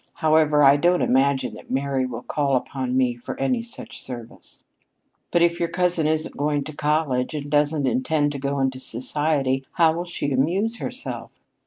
However, I don't imagine that Mary will call upon me for any such service." "But if your cousin isn't going to college, and doesn't intend to go into society, how will she amuse herself?"